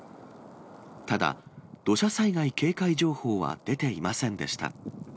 ただ、土砂災害警戒情報は出ていませんでした。